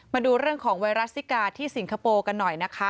มาดูเรื่องของไวรัสซิกาที่สิงคโปร์กันหน่อยนะคะ